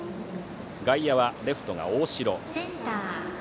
外野は、レフトが大城。